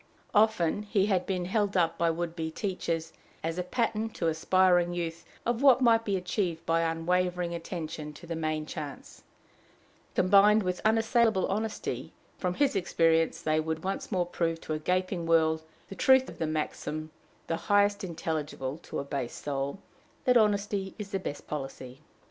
Often had he been held up by would be teachers as a pattern to aspiring youth of what might be achieved by unwavering attention to the main chance, combined with unassailable honesty: from his experience they would once more prove to a gaping world the truth of the maxim, the highest intelligible to a base soul, that "honesty is the best policy."